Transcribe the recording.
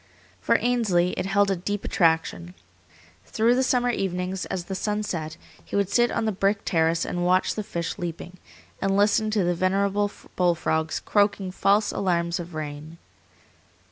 For Ainsley it held a deep attraction. Through the summer evenings, as the sun set, he would sit on the brick terrace and watch the fish leaping, and listen to the venerable bull frogs croaking false alarms of rain.